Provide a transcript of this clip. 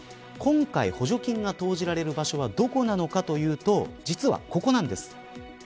今回、補助金が投じられるのはどこなのかというと実は、ここなんです。